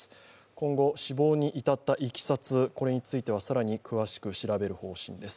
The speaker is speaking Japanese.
今後、死亡に至ったいきさつ、これについては更に詳しく調べる方針です。